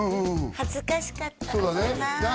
恥ずかしかったのかな